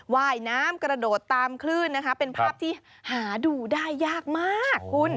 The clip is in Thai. ว่ายน้ำกระโดดตามคลื่นนะคะเป็นภาพที่หาดูได้ยากมากคุณ